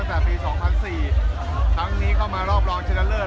ตั้งแต่ปี๒๐๐๔ครั้งนี้เข้ามารอบรองชนะเลิศ